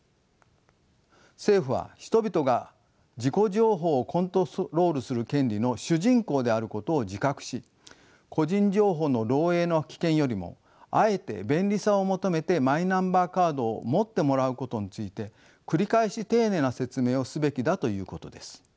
政府は人々が自己情報をコントロールする権利の主人公であることを自覚し個人情報の漏えいの危険よりもあえて便利さを求めてマイナンバーカードを持ってもらうことについて繰り返し丁寧な説明をすべきだということです。